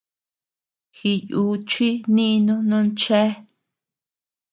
Jiyúchi nínu non chéa.